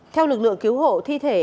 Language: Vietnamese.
theo lực lượng cứu hộ thi thể